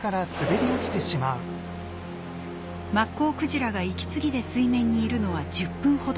マッコウクジラが息継ぎで水面にいるのは１０分ほど。